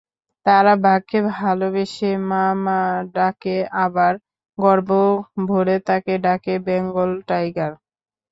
তারা বাঘকে ভালোবেসে মামা ডাকে, আবার গর্ব ভরে তাকে ডাকে বেঙ্গল টাইগার।